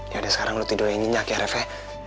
yaudah sekarang lo tidur aja nginyak ya ref ya